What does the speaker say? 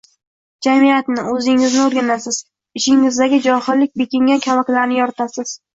jamiyatni, o‘zingizni o‘rganasiz, ichingizdagi johillik bekingan kavaklarni yoritasiz